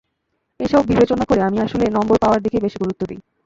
এসব বিবেচনা করে আমি আসলে নম্বর পাওয়ার দিকেই বেশি গুরুত্ব দিই।